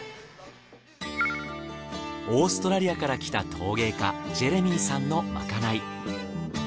オーストラリアから来た陶芸家ジェレミーさんのまかない。